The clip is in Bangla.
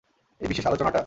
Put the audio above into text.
এই বিশেষ আলোচনাটা?